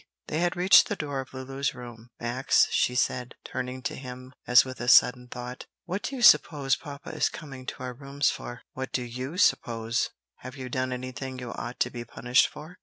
They had reached the door of Lulu's room. "Max," she said, turning to him as with a sudden thought, "what do you suppose papa is coming to our rooms for?" "What do you suppose? have you done anything you ought to be punished for?"